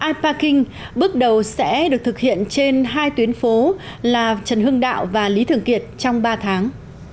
ipaing bước đầu sẽ được thực hiện trên hai tuyến phố là trần hưng đạo và lý thường kiệt trong ba tháng